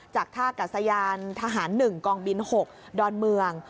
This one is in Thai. จากท่ากัศยานทหาร๑กองบิน๖ดอนเมือง